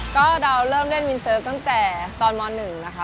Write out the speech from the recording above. ก็เราเริ่มเล่นวินเซิร์ฟตั้งแต่ตอนม๑นะคะ